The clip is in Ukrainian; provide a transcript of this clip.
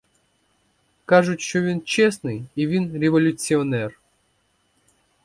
Кажуть, що він чесний і він революціонер.